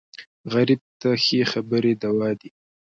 غریب ته ښې خبرې دوا دي